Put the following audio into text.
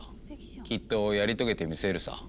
きっとやり遂げてみせるさ。